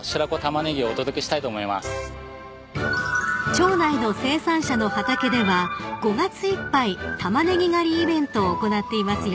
［町内の生産者の畑では５月いっぱいタマネギ狩りイベントを行っていますよ］